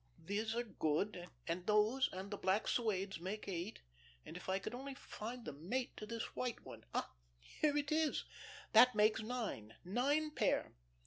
"Those are good ... and those, and the black suedes make eight.... And if I could only find the mate to this white one.... Ah, here it is. That makes nine, nine pair."